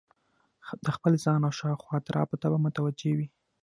د خپل ځان او شاوخوا اطرافو ته به متوجه وي